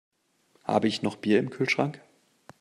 Habe ich noch Bier im Kühlschrank?